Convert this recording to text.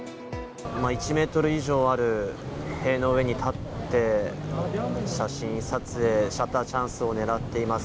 １ｍ以上ある塀の上に立って写真撮影、シャッターチャンスを狙っています。